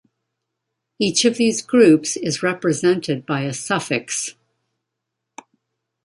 Each of these groups is represented by a suffix.